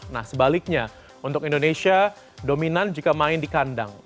nah sebaliknya untuk indonesia dominan jika main di kandang